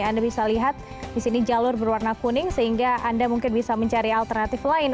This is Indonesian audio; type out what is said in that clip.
anda bisa lihat di sini jalur berwarna kuning sehingga anda mungkin bisa mencari alternatif lain